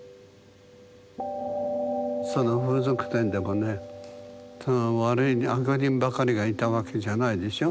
その風俗店でもね悪いね悪人ばかりがいたわけじゃないでしょ？